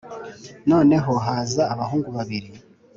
noneho haza abahungu babiri